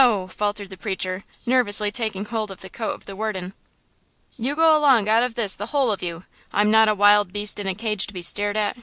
faltered the preacher, nervously taking hold of the coat of the warden. "You go along out of this the whole of you! I'm not a wild beast in a cage to be stared at!"